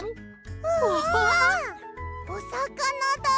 うわ！おさかなだ！